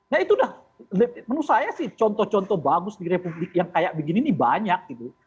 nah itu udah menurut saya sih contoh contoh bagus di republik yang kayak begini ini banyak gitu